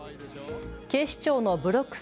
警視庁のブロック！